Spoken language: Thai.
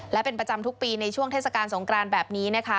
และเป็นประจำทุกปีในช่วงเทศกาลสงกรานแบบนี้นะคะ